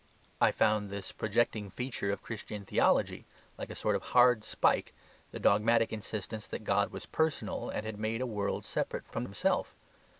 I found this projecting feature of Christian theology, like a sort of hard spike, the dogmatic insistence that God was personal, and had made a world separate from Himself.